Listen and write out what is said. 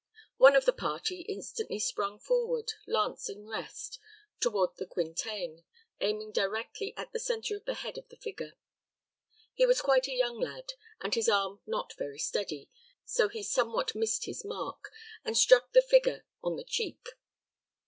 One of the party instantly sprung forward, lance in rest, toward the Quintain, aiming directly at the centre of the head of the figure. He was quite a young lad, and his arm not very steady, so that he somewhat missed his mark, and struck the figure on the cheek.